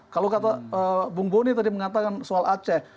kalau kata bung boni tadi mengatakan soal aceh